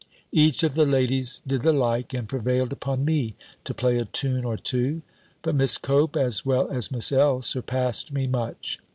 Each of the ladies did the like, and prevailed upon me to play a tune or two: but Miss Cope, as well as Miss L., surpassed me much.